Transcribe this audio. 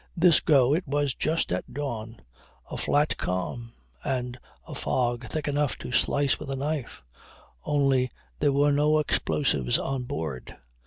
This go it was just at dawn. A flat calm and a fog thick enough to slice with a knife. Only there were no explosives on board.